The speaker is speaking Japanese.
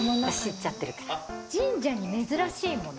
神社に珍しいもの。